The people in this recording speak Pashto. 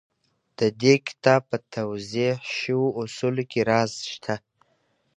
د دې کتاب په توضيح شويو اصولو کې راز شته.